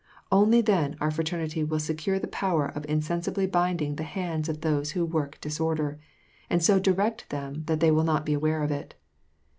Only then our Fra ternity will secure the power of insensibly binding the hands of those who work disorder, and so direct them that they will not be aware of it.